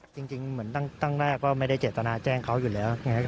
จริงจริงเหมือนตั้งตั้งแรกว่าไม่ได้เจตนาแจ้งเขาอยู่แล้วไง